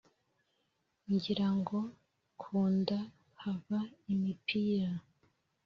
ngira ngo ku nda haba imipira!